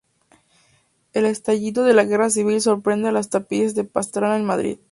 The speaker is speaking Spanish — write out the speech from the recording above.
El estallido de la Guerra Civil sorprende a los tapices de Pastrana en Madrid.